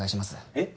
えっ？